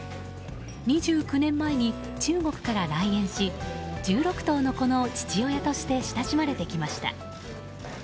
２９年前に中国から来園し１６頭の子の父親として親しまれてきました。